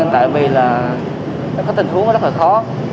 tại vì là nó có tình huống nó rất là khó